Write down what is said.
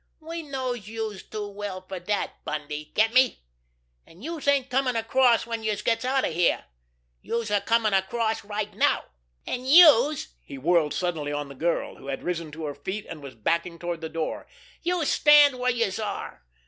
We knows youse too well fer dat, Bundy! Get me? An' youse ain't comin' across when youse gets out of here, youse are comin' across right now! An' youse"—he whirled suddenly on the girl, who had risen to her feet and was backing toward the door—"youse stand where youse are!